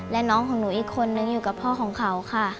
และน้องของหนูอีกคนนึงอยู่กับพ่อของเขาค่ะ